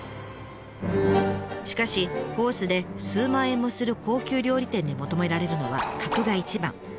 しかしコースで数万円もする高級料理店で求められるのは格が一番。